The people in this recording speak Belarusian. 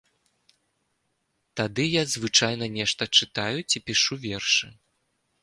Тады я звычайна нешта чытаю ці пішу вершы.